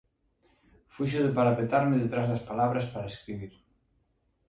Fuxo de parapetarme detrás das palabras para escribir.